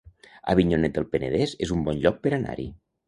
Avinyonet del Penedès es un bon lloc per anar-hi